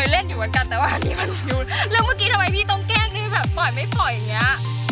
แล้วเมื่อกี้ทำไมพี่ต้องแกล้งด้วยแบบปล่อยไม่ปล่อยอย่างเนี้ย